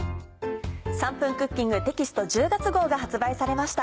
『３分クッキング』テキスト１０月号が発売されました。